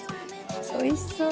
おいしそう！